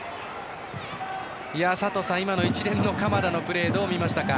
今の一連の鎌田のプレーどう見ましたか。